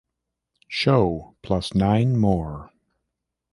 Show, Plus Nine More.